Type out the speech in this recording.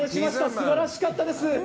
素晴らしかったです。